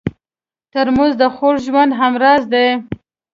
ترموز د خوږ ژوند همراز دی.